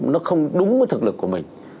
nó không đúng với thực lực của mình